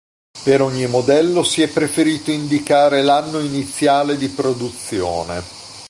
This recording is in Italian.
Per ogni modello si è preferito indicare l'anno iniziale di produzione.